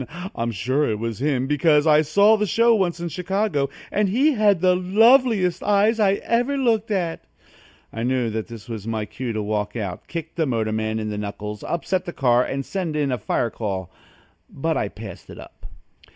I'm sure it was him, because I saw the show once in Chicago and he has the loveliest eyes I ever looked at!" I knew that that was my cue to walk out, kick the motorman in the knuckles, upset the car and send in a fire call, but I passed it up.